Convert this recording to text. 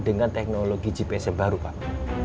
dengan teknologi gps yang baru pak